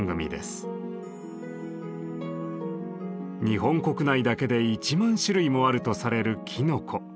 日本国内だけで１万種類もあるとされるきのこ。